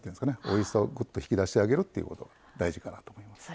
おいしさをグッと引き出してあげるっていうことが大事かなと思います。